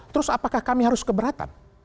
terus apakah kami harus keberatan